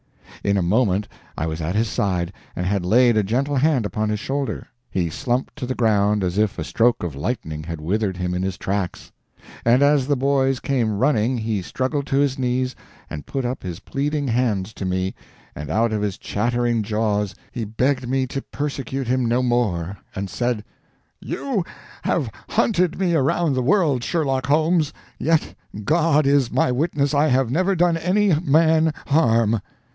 In a moment I was at his side and had laid a gentle hand upon his shoulder. He slumped to the ground as if a stroke of lightning had withered him in his tracks; and as the boys came running he struggled to his knees and put up his pleading hands to me, and out of his chattering jaws he begged me to persecute him no more, and said, "You have hunted me around the world, Sherlock Holmes, yet God is my witness I have never done any man harm!"